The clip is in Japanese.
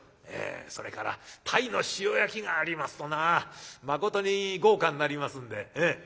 「えそれから鯛の塩焼きがありますとなまことに豪華になりますんで。